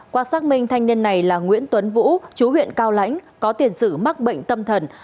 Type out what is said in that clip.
qua xác minh thanh niên này là nguyễn tuấn vũ chú huyện cao lãnh có tiền sử mắc bệnh tâm thần